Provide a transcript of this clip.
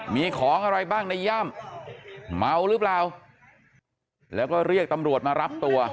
มีของอะไรบ้างในย่ำเมาหรือเปล่าแล้วก็เรียกตำรวจมารับตัว